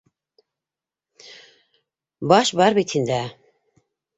Баш бар бит һиндә.